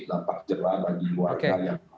dampak jelas bagi keluarga yang melanggar